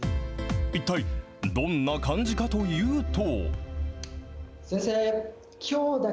一体どんな感じかというと。